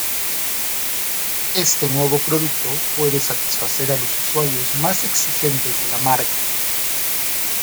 Éste nuevo producto puede satisfacer a los usuarios más exigentes de la marca.